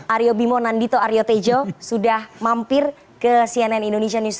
aryo bimo nandito aryo tejo sudah mampir ke cnn indonesia news empat